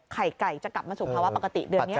ไข่ไก่จะกลับมาสู่ภาวะปกติเดือนนี้